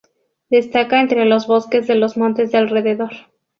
Destaca entre los bosques de los montes de alrededor.